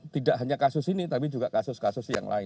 tidak hanya kasus ini tapi juga kasus kasus yang lain